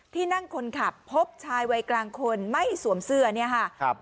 ที่นั่งคนขับพบชายวัยกลางคนไม่สวมเสื้อเนี่ยค่ะครับ